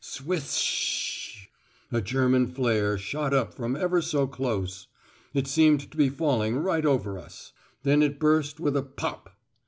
"Swis s sh." A German flare shot up from ever so close. It seemed to be falling right over us. Then it burst with a "pop."